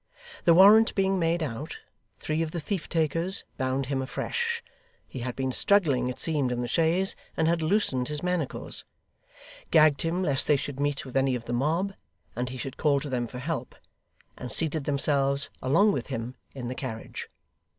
The warrant being made out, three of the thief takers bound him afresh (he had been struggling, it seemed, in the chaise, and had loosened his manacles); gagged him lest they should meet with any of the mob, and he should call to them for help; and seated themselves, along with him, in the carriage.